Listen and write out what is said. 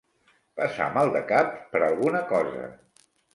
Passar maldecaps per alguna cosa.